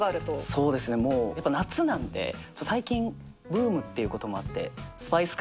そうですねもう夏なんで最近ブームっていうこともあって。